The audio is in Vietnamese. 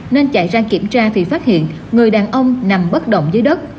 nên chạy ra kiểm tra thì phát hiện người đàn ông nằm bất động dưới đất